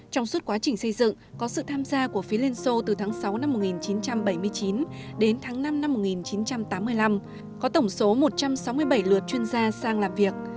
trong suốt quá trình xây dựng có sự tham gia của phía liên xô từ tháng sáu năm một nghìn chín trăm bảy mươi chín đến tháng năm năm một nghìn chín trăm tám mươi năm có tổng số một trăm sáu mươi bảy lượt chuyên gia sang làm việc